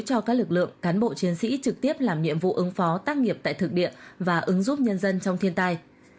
cho các lực lượng cán bộ chiến sĩ trực tiếp làm nhiệm vụ ứng phó tác nghiệp tại thực địa và ứng giúp nhân dân trong thiên tai